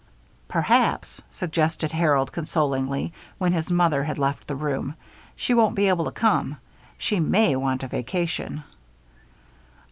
"Perhaps," suggested Harold, consolingly, when his mother had left the room, "she won't be able to come. She may want a vacation."